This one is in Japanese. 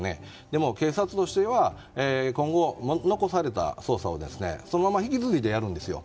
でも警察としては今後残された捜査をそのまま引き継いでやるんですよ。